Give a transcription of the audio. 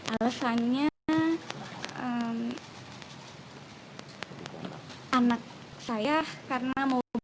alasannya anak saya karena mau